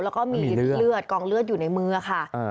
แล้วก็มีเลือดกองเลือดอยู่ในมือค่ะ